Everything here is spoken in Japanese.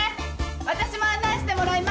私も案内してもらいまーす！